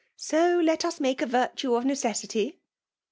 ^ So let us make a virtue of necessity.'